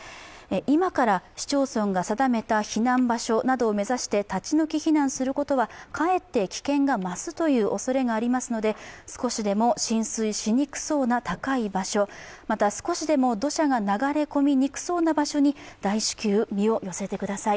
今から市町村が定めた避難場所を目指して立ち退き避難することはかえって危険が増すというおそれがありますので、少しでも浸水しにくそうな高い場所、また、少しでも土砂が流れにくそうな場所に大至急身を寄せてください。